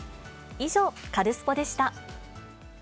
以上、カルスポっ！でした。